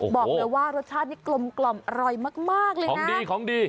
บอกเลยว่ารสชาตินี่กลมกล่อมอร่อยมากเลยของดีของดี